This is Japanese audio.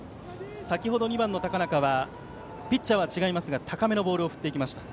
先程、２番の高中はピッチャーは違いますが高めのボールを振っていきました。